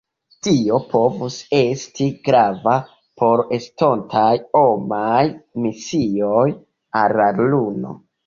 Tio povus esti grava por estontaj homaj misioj al la luno.